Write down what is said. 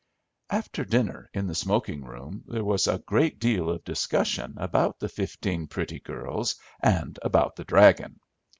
After dinner, in the smoking room, there was a great deal of discussion about the fifteen pretty girls and about the "dragon."